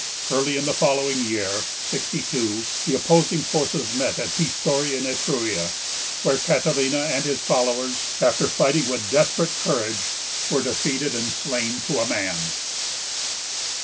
Early in the following year (62) the opposing forces met at Pistoria in Etruria, where Catilina and his followers, after fighting with desperate courage, were defeated and slain to a man.